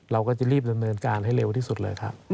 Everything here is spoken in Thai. เราก็จะรีบดำเนินการให้เร็วที่สุดเลยครับ